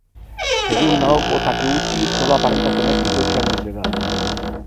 Según Naoko Takeuchi, sólo aparenta tener dieciocho años de edad.